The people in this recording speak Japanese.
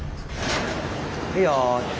いいよ。